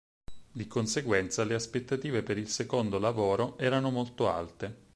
Di conseguenza le aspettative per il secondo lavoro erano molto alte.